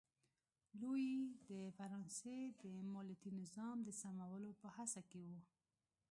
لويي د فرانسې د مالیاتي نظام د سمولو په هڅه کې و.